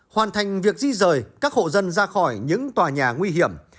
hoàn thành việc di rời các hộ dân ra khỏi những tòa nhà nguy hiểm